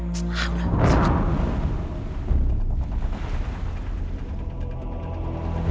maaf pak gerang